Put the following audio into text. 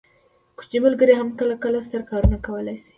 کوچني ملګري هم کله کله ستر کارونه کولی شي.